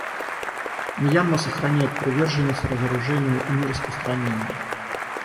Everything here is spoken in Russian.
Мьянма сохраняет приверженность разоружению и нераспространению.